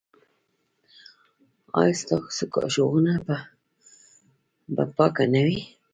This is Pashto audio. ایا ستاسو کاشوغه به پاکه نه وي؟